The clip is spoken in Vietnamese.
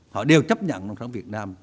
họ đều chấp nhận nông sản việt nam